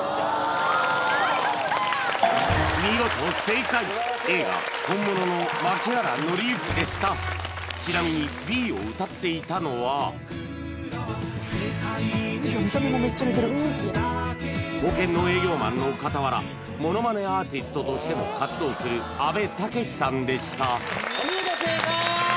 見事正解Ａが本物の槇原敬之でしたちなみに世界に一つだけの花保険の営業マンのかたわらモノマネアーティストとしても活動するあべたけしさんでしたお見事正解！